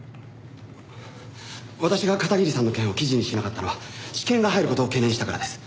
私が片桐さんの件を記事にしなかったのは私見が入る事を懸念したからです。